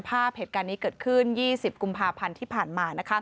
ภาพเหตุการณ์นี้เกิดขึ้น๒๐กุมภาพันธ์ที่ผ่านมา